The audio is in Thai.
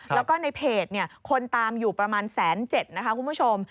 แล้วก็ในเพจคนตามอยู่ประมาณ๑๗๐๐นะคะคุณผู้ชม